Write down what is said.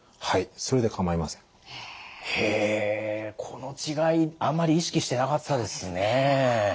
この違いあんまり意識してなかったですね。